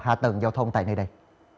hạ tầng giao thông tại nơi đây